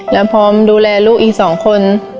แล้วพร้อมดูแลลูกอีก๒คน